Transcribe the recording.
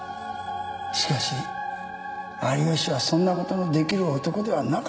しかし有吉はそんなことのできる男ではなかった。